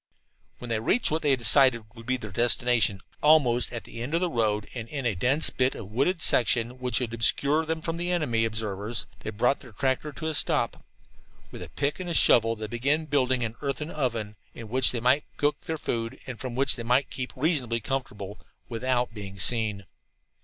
When they reached what they decided should be their destination, almost at the end of the road and in a dense bit of wooded section which would obscure them from enemy observers, they brought their tractor to a stop. With pick and shovel they began building an earthen oven, in which they might cook their food, and from which they might keep reasonably comfortable, without being seen.